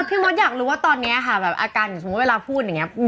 พี่มดอยากรู้ว่าตอนนี้ค่ะแบบอาการอย่างสมมุติเวลาพูดอย่างนี้